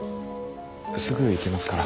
すぐ行きますから。